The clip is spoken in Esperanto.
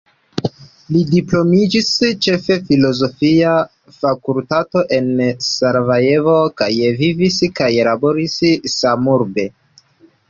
Li diplomitiĝis ĉe filozofia fakultato en Sarajevo kaj vivis kaj laboris samurbe.